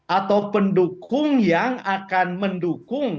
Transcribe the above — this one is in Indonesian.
atau pendukung yang akan mendukung